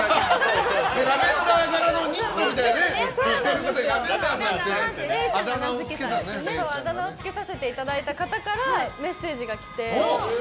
ラベンダー柄のニットみたいなのをあだ名をつけさせていただいた方からメッセージが来て。